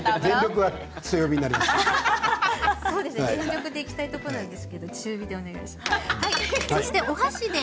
全力でいきたいところですが中火でお願いします。